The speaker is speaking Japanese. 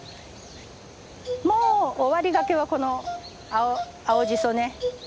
もう終わりがけはこの青じそね。